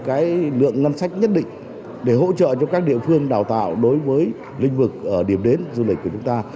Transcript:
cái lượng ngân sách nhất định để hỗ trợ cho các địa phương đào tạo đối với lĩnh vực điểm đến du lịch của chúng ta